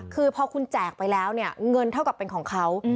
คือพอคุณแจกไปแล้วเนี่ยเงินเท่ากับเป็นของเขา